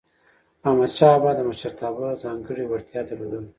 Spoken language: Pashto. احمدشاه بابا د مشرتابه ځانګړی وړتیا درلودله.